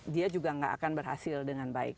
dia juga gak akan berhasil dengan baik